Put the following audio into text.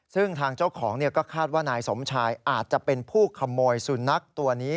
ซึ่งทางเจ้าของก็คาดว่านายสมชายอาจจะเป็นผู้ขโมยสุนัขตัวนี้